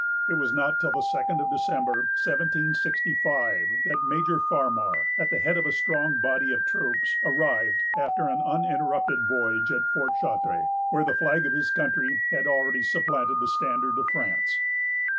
It was not till the second of December, 1765, that Major Farmar, at the head of a strong body of troops, arrived, after an uninterrupted voyage, at Fort Chartres, where the flag of his country had already supplanted the standard of France.